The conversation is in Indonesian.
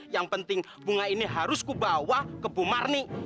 yang penting bunga ini harus gue bawa ke bumarni